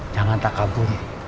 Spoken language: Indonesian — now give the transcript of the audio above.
jangan tak kabur